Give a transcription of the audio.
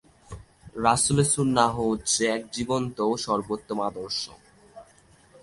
রাসূলের সুন্নাহ হচ্ছে এক জীবন্ত ও সর্বোত্তম আদর্শ।